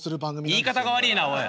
言い方が悪いなおい。